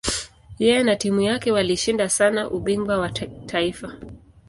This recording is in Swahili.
Yeye na timu yake walishinda sana ubingwa wa kitaifa.